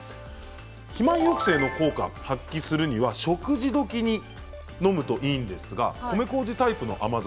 肥満抑制の効果を発揮するには食事どきに飲むといいんですが米こうじタイプの甘酒